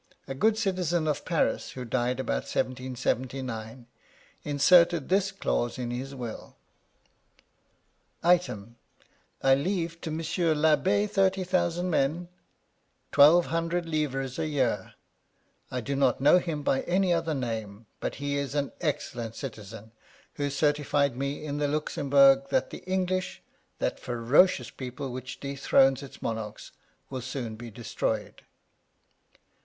• A good citizen of Paris, who died about 1779, inserted this clause in his will : Item: I leave to M. I'Abb^ Thirty thousand men, 1200 livres a year : I do not know him by any other name, but he is an excellent citizen, who certified me in the Luxembourg, that the English, that ferocious people which dethrones its monarchs, will soon be destroyed.